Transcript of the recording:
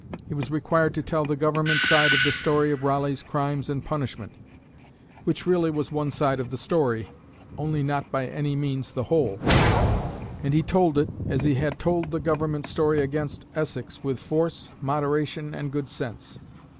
He was required to tell the Government side of the story of Raleigh's crimes and punishment which really was one side of the story, only not by any means the whole; and he told it, as he had told the Government story against Essex, with force, moderation, and good sense.